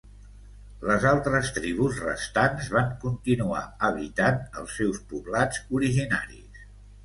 Les altres tribus restants van continuar habitant els seus poblats originaris.